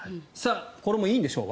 これもいいんでしょう